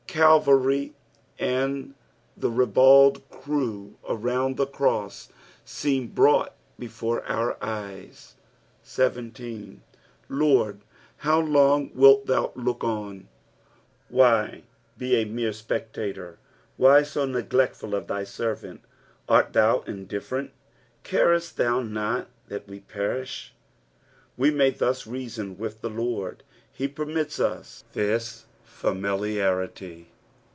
Calvary and the ribald crew around the cross seem brought before our eyes. 17. " Lord, hoa hng wilt thou loot on V Why bo a mere spectator 1 Why to neglectful of thy servant t Art thou indifferent ? Carest thou not that we perish? We may thus reason with the Lord. He jvermits us this familiarity.